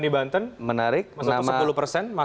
di banten menarik nama